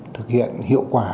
thực hiện hiệu quả